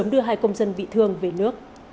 dân bị thương về nước